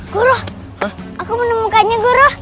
guru aku menemukannya guru